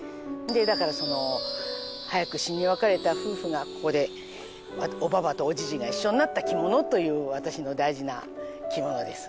だから早く死に別れた夫婦がここでおばばとおじじが一緒になった着物という私の大事な着物です。